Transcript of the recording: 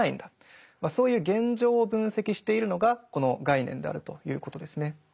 そういう現状を分析しているのがこの概念であるということですね。